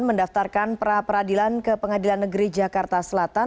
mendaftarkan pra peradilan ke pengadilan negeri jakarta selatan